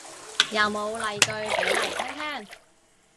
有冇例句俾嚟聽聽